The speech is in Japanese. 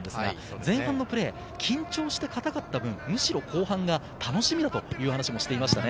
前半のプレー、緊張して堅かった分、むしろ後半が楽しみだと話していましたね。